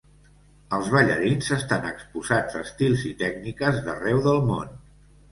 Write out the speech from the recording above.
Els ballarins estan exposats a estils i tècniques d'arreu del món.